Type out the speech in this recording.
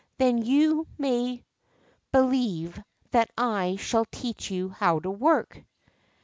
Then you may believe that I shall teach you how to work